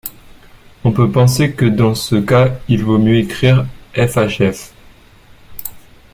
On peut penser que dans ce cas il vaut mieux écrire F–H–F.